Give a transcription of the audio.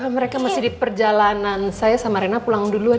mereka masih di perjalanan saya sama rena pulang duluan